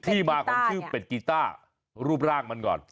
ที่มาของชื่อเป็ดกีต้ารูปร่างมันก่อน